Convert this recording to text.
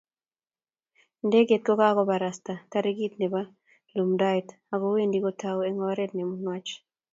Ndeget kokakobarasta tarikiit nebo lumdaet ak kowendi kotou eng oret ne nenwach.